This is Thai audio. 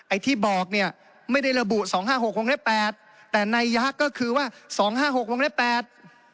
ไอ้ที่บอกเนี่ยไม่ได้ระบุสองห้าหกห้องแรกแปดแต่ในยากก็คือว่าสองห้าหกห้องแรกแปด